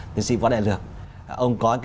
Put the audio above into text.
tiến sĩ võ đại lược ông có cái